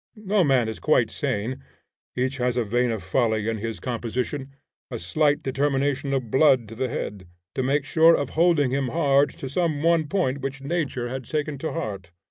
No man is quite sane; each has a vein of folly in his composition, a slight determination of blood to the head, to make sure of holding him hard to some one point which nature had taken to heart.